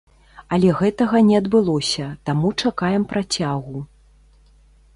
Але гэтага не адбылося, таму чакаем працягу.